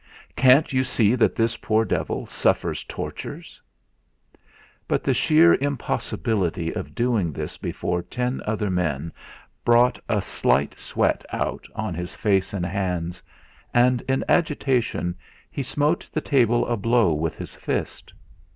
"Can't you see that this poor devil suffers tortures?" But the sheer impossibility of doing this before ten other men brought a slight sweat out on his face and hands; and in agitation he smote the table a blow with his fist.